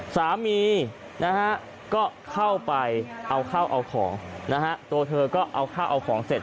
สามีนะฮะก็เข้าไปเอาข้าวเอาของนะฮะตัวเธอก็เอาข้าวเอาของเสร็จ